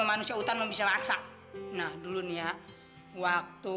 kurang ajar dia